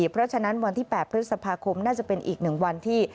เพราะฉะนั้นวันที่๘พฤษภาคมน่าจะเป็นอีก๑วันที่